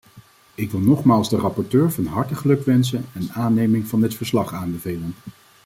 Ik wil nogmaals de rapporteur van harte gelukwensen en aanneming van dit verslag aanbevelen.